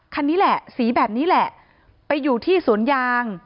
คันนี้แหละสีแบบนี้แหละไปอยู่ที่สวนยาง